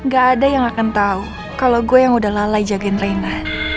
gak ada yang akan tau kalo gue yang udah lalai jagain reina